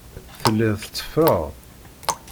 Telliḍ tetteffreḍ.